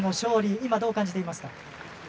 今、どう感じていますか？